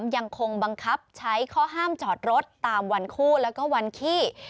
ยังคงบังคับใช้ข้อห้ามจอดรถตามวันคู่แล้วก็วันขี้